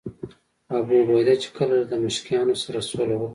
ابوعبیده چې کله له دمشقیانو سره سوله وکړه.